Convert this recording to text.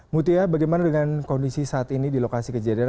mutia bagaimana dengan kondisi saat ini di lokasi kejadian